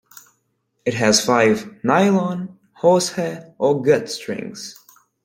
It has five nylon, horse hair, or gut strings.